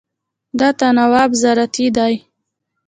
دا تناوب زراعتي دی.